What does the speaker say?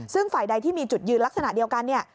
ซึ่งฝ่ายใดที่มีจุดยืนลักษณะเดียวกันเนี่ย